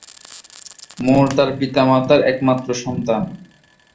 মোর তার পিতামাতার একমাত্র সন্তান।